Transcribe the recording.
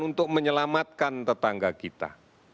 untuk menyelamatkan tetangga kita